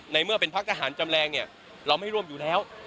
เมื่อเป็นพักทหารจำแรงเนี่ยเราไม่ร่วมอยู่แล้ว